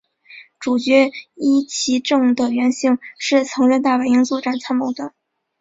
主角壹岐正的原型是曾任大本营作战参谋的。